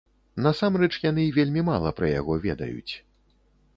Насамрэч яны вельмі мала пра яго ведаюць.